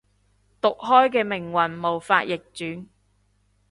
毒開嘅命運無法逆轉